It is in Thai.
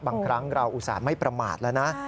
บางครั้งเราอุตส่าห์ไม่ประมาทแล้วนะ